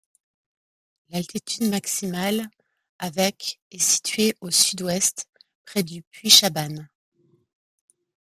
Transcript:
L'altitude maximale avec est située au sud-ouest, près du puy Chabanne.